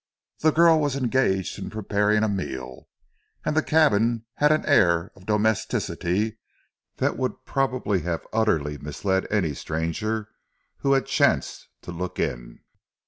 The girl was engaged in preparing a meal, and the cabin had an air of domesticity that would probably have utterly misled any stranger who had chanced to look in.